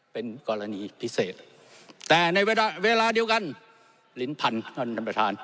เป็นกรณีพิเศษแต่ในเวลาเดียวกันลิ้นพันธุ์ท่านประธาน